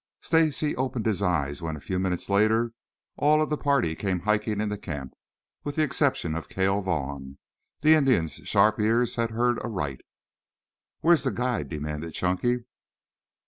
Stacy opened his eyes when, a few minutes later, all of the party came hiking into camp, with the exception of Cale Vaughn. The Indian's sharp ears had heard aright. "Where's the guide?" demanded Chunky.